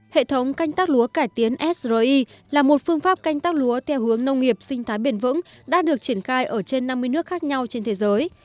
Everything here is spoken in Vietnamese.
hệ thống canh tác lúa cải tiến sri là một phương pháp canh tác lúa theo hướng nông nghiệp sinh thái bền vững đã được triển khai ở trên năm mươi nước khác nhau trên thế giới